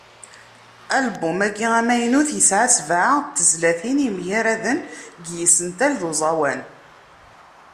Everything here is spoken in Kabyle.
Album-agi amaynut, yesɛa sebεa n tezlatin yemgaraden deg yisental d uẓawan.